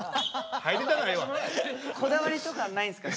こだわりとかないんすか？